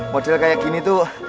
model kayak gini tuh